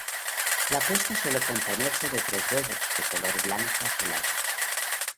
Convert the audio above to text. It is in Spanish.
La puesta suele componerse de tres huevos, de color blanco azulado.